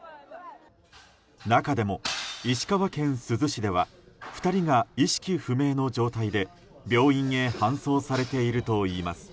中でも石川県珠洲市では２人が意識不明の状態で病院へ搬送されているといいます。